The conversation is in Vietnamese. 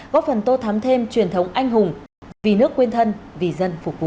góp phần tô thắm thêm truyền thống anh hùng vì nước quên thân vì dân phục vụ